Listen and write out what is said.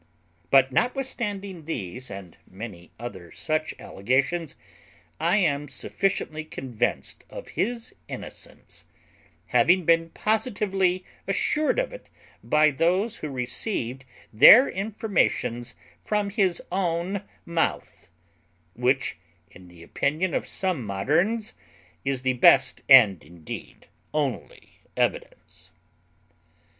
But, notwithstanding these and many other such allegations, I am sufficiently convinced of his innocence; having been positively assured of it by those who received their informations from his own mouth; which, in the opinion of some moderns, is the best and indeed only evidence.